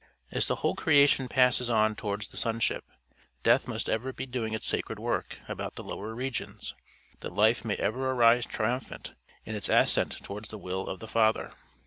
As the whole creation passes on towards the sonship, death must ever be doing its sacred work about the lower regions, that life may ever arise triumphant, in its ascent towards the will of the Father.